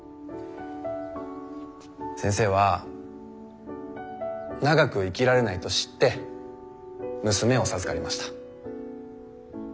先生は長く生きられないと知って娘を授かりました。